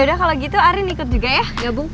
udah kalau gitu arin ikut juga ya gabung